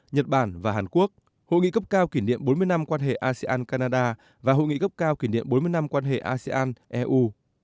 nhật bản và hàn quốc hội nghị cấp cao kỷ niệm bốn mươi năm quan hệ asean canada và hội nghị gấp cao kỷ niệm bốn mươi năm quan hệ asean eu